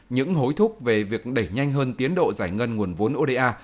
những hối thúc về việc đẩy nhanh hơn tiến độ giải ngân nguồn vốn oda